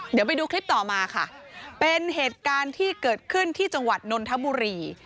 เดี๋ยวไปดูคลิปต่อมาค่ะเป็นเหตุการณ์ที่เกิดขึ้นที่จังหวัดนนทบุรี